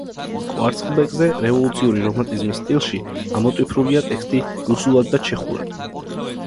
კვარცხლბეკზე რევოლუციური რომანტიზმის სტილში ამოტვიფრულია ტექსტი რუსულად და ჩეხურად.